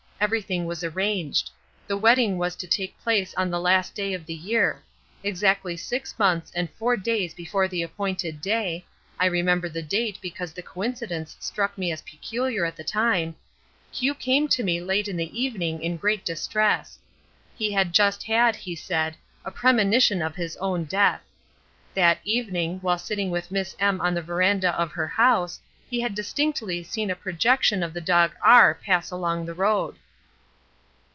Everything was arranged. The wedding was to take place on the last day of the year. Exactly six months and four days before the appointed day (I remember the date because the coincidence struck me as peculiar at the time) Q came to me late in the evening in great distress. He had just had, he said, a premonition of his own death. That evening, while sitting with Miss M on the verandah of her house, he had distinctly seen a projection of the dog R pass along the road."